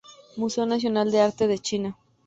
Museo Nacional de Arte de China.